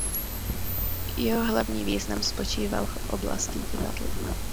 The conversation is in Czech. Jeho hlavní význam spočíval v oblasti divadla.